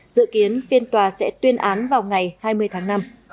dự kiến phiên tòa sẽ tuyên án vào ngày hai mươi tháng năm